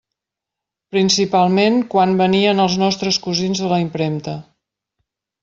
Principalment quan venien els nostres cosins de la impremta.